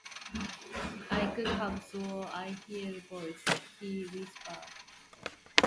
"I could have swore I heard a voice," he whispered.